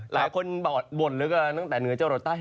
ล้างคนบ่นเลยแหละตั้งแต่เหนือเจ้าหมดได้